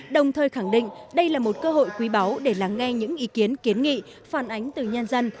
đồng thời khẳng định đây là một cơ hội quý báu để lắng nghe những ý kiến kiến nghị phản ánh từ nhân dân